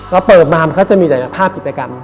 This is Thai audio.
เราเปิดมามันก็จะมีศักยภาพกิจกรรม